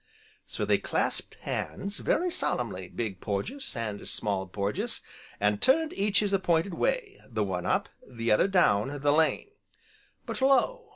So they clasped hands, very solemnly, Big Porges, and Small Porges, and turned each his appointed way, the one up, the other down, the lane. But lo!